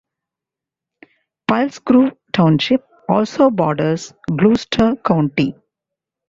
Pilesgrove Township also borders Gloucester County.